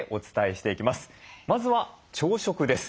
まずは朝食です。